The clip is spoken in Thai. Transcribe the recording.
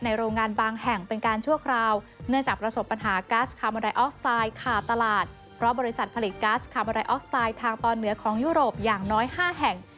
ทางตอนเหนือของยุโรปอย่างน้อย๕แห่ง